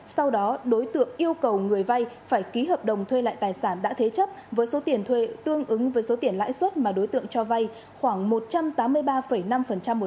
sau đó đối tượng yêu cầu người vay phải ký hợp đồng thuê lại tài sản đã thế chấp với số tiền tương ứng với số tiền lãi suất mà đối tượng cho vay khoảng một trăm tám mươi ba năm một năm